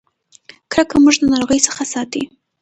کرکه موږ د ناروغۍ څخه ساتي.